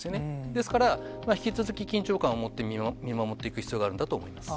ですから、引き続き緊張感を持って見守っていく必要があるんだと思います。